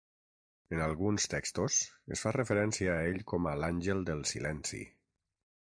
En alguns textos, es fa referència a ell com a l'Àngel del Silenci.